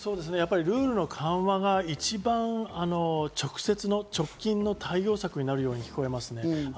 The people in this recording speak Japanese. ルールの緩和が直接の直近の対応策になるように思いますね。